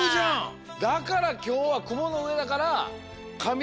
だからきょうはくものうえだからカミナリが。